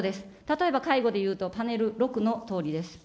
例えば介護でいうと、パネル６のとおりです。